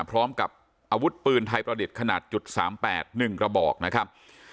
พร้อมกับอาวุธปืนไทยประดิษฐ์ขนาด๓๘๑กระบอกนะครับ